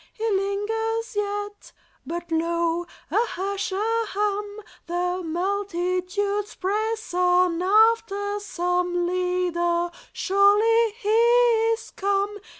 He lingers yet. But lo! a hush, a hum. The multitudes press on After some leader. Surely He is come!